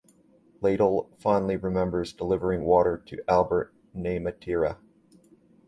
Liddle fondly remembers delivering water to Albert Namatjira.